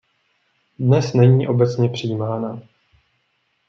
Dnes není obecně přijímána.